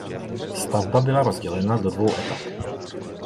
Stavba byla rozdělena do dvou etap.